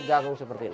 jagung seperti ini